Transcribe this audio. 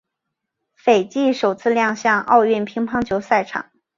斐济首次亮相奥运乒乓球赛场。